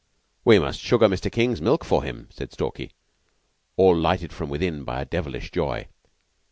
We must sugar Mr. King's milk for him," said Stalky, all lighted from within by a devilish joy.